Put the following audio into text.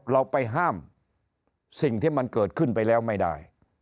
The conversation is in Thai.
เราไปห้ามสิ่งที่มันเกิดขึ้นไปแล้วไม่ได้